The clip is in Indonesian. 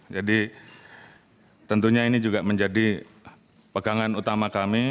jadi tentunya ini juga menjadi pegangan utama kami